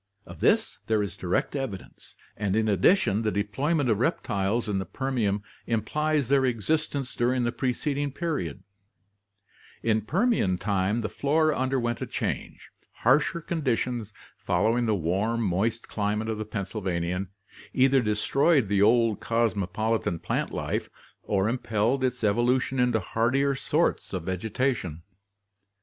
Of this there is direct evi dence, and in addition the deployment of reptiles in the Permian implies their existence during the preceding period. GEOLOGICAL DISTRIBUTION 93 In Permian time the flora underwent a change; harsher con ditions, following the warm moist climate of the Pennsylvanian, either destroyed the old cosmopolitan plant life or impelled its evolution into hardier sorts of vegetation.